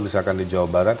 misalkan di jawa barat